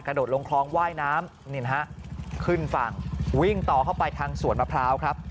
โดดลงคลองว่ายน้ำนี่นะฮะขึ้นฝั่งวิ่งต่อเข้าไปทางสวนมะพร้าวครับ